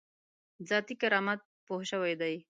ذاتي کرامت پوه شوی دی.